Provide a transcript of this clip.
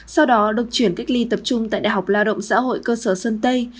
sau đó được chuyển cách ly tập trung tại đại học lao động xã hội cơ sở sơn tây